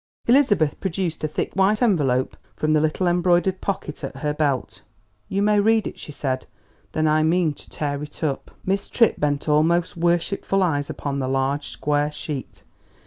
Elizabeth produced a thick white envelope from the little embroidered pocket at her belt. "You may read it," she said; "then I mean to tear it up." Miss Tripp bent almost worshipful eyes upon the large, square sheet.